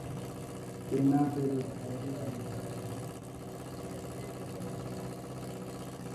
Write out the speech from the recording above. تینا بے روز گاری و نیز گاریءِ مون آ تخسا پاہک کہ اگہ کن تون